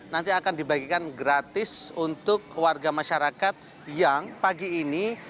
nanti akan dibagikan gratis untuk warga masyarakat yang pagi ini